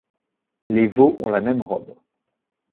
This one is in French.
Les veaux ont la même robe.